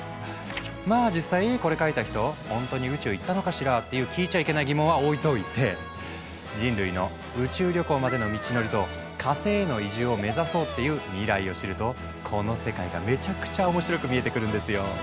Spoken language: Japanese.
まあ実際これ書いた人ほんとに宇宙行ったのかしら？っていう聞いちゃいけない疑問は置いといて人類の宇宙旅行までの道のりと火星への移住を目指そうっていう未来を知るとこの世界がめちゃくちゃ面白く見えてくるんですよ。